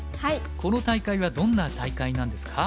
この大会はどんな大会なんですか？